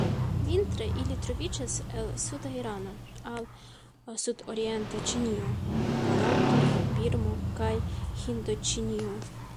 Vintre ili troviĝas el suda Irano al sudorienta Ĉinio, Barato, Birmo kaj Hindoĉinio.